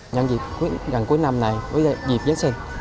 nhân dịp gần cuối năm này với dịp giáng sinh